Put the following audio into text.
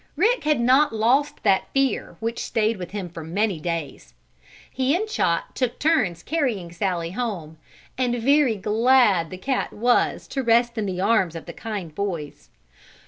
Rick had not lost that fear which stayed with him for many days. He and Chot took turns carrying Sallie home, and very glad the cat was to rest in the arms of the kind boys.